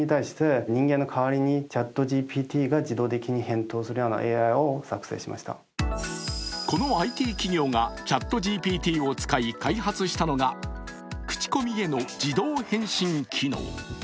こちらの企業ではこのＩＴ企業がＣｈａｔＧＰＴを使い開発したのが口コミへの自動返信機能。